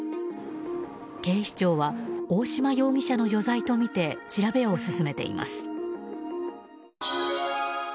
警視庁は大島容疑者の余罪とみて調べを進めています。